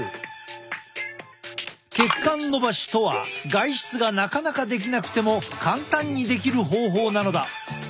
血管のばしとは外出がなかなかできなくても簡単にできる方法なのだ。